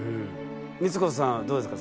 光子さんはどうですか？